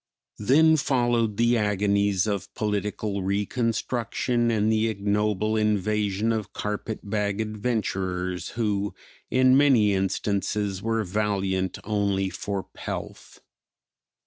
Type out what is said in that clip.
Then followed the agonies of political reconstruction and the ignoble invasion of carpet bag adventurers who, in many instances, were valiant only for pelf.